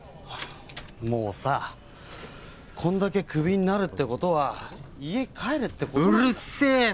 もうさこんだけクビになるってことは家帰れってことうるせえな！